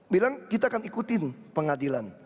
bilang kita akan ikutin pengadilan